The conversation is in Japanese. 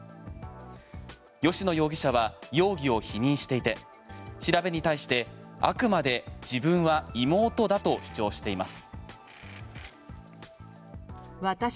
吉野容疑者は容疑を否認していて調べに対してあくまで自分は妹だと主張しています。